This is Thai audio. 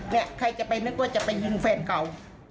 และใครจะไปนึกว่าจะไปยิงแฟนเก่า